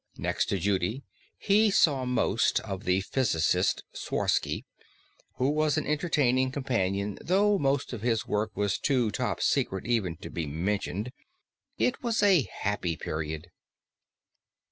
Next to Judy, he saw most of the physicist Sworsky, who was an entertaining companion though most of his work was too top secret even to be mentioned. It was a happy period.